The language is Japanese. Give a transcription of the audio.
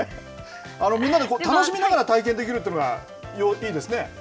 みんなで楽しみながら体験できるっていうのがいいですね。